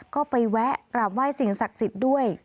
ก็ไปแวะกราบไหว้สิ่งศักดิ์สิทธิ์ด้วย